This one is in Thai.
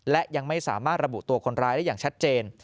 และยังไม่สามารถระบุตัวคนร้ายได้อย่างชัดเจน